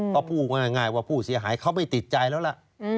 ก็พูดง่ายว่าผู้เสียหายเขาไม่ติดใจแล้วล่ะ